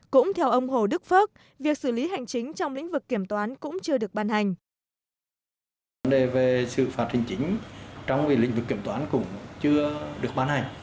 cũng theo ông hồ đức phước việc xử lý hành chính trong lĩnh vực kiểm toán cũng chưa được ban hành